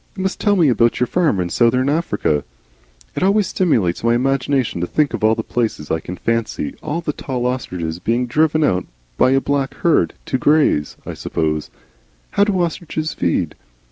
"You must tell me about your farm in South Africa. It always stimulates my imagination to think of these places. I can fancy all the tall ostriches being driven out by a black herd to graze, I suppose. How do ostriches feed?"